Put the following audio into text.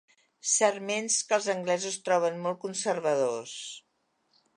Sarments que els anglesos troben molt conservadors.